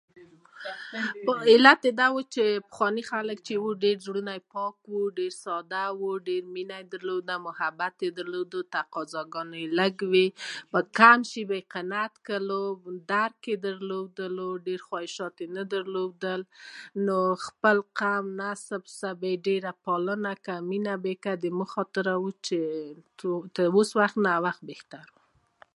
علت یی دا وه چي پخواني خلک چي وو زړونه يي ډير پاک وو ډير ساده وو ډير مينه يي درلوده محبت يي درلوده تقاضاګاني يي لږی وي په کم شی به یی قناعت کړلو درک يي درلوده ډير خواهشات يي نه درلودل نو خپل قام نسل سره به يي مينه درلوده پالنه به يي کوله نو په همدي خاطر به وو چي داوس وخت نه هغه وخت بهتر وو